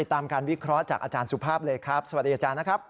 ตามการวิเคราะห์จากอาจารย์สุภาพเลยครับสวัสดีอาจารย์นะครับ